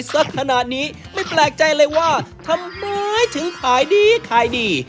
สักขนาดนี้ไม่แปลกใจเลยว่าทำไมถึงขายดีขายดี